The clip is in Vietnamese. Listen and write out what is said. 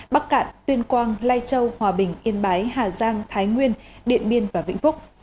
bắc cạn tuyên quang lai châu hòa bình yên bái hà giang thái nguyên điện biên và vĩnh phúc